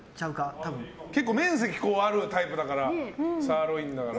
面積あるタイプだからサーロインだから。